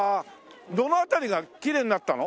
どの辺りがきれいになったの？